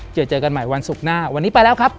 เจอเจอกันใหม่วันศุกร์หน้าวันนี้ไปแล้วครับ